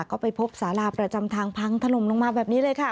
ก็ไปพบสาราประจำทางพังถล่มลงมาแบบนี้เลยค่ะ